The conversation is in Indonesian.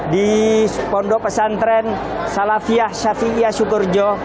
di pondok pesantren salafiyah syafiyah syukurjo